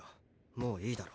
もういいだろ。